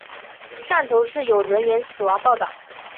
汕头市有人员死亡报导。